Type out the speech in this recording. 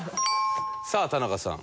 さあ田中さん。